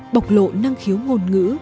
bọc lộ năng khiếu ngôn ngữ